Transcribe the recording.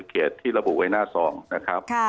๓๑๐เขตที่ระบุไว้หน้า๒นะครับ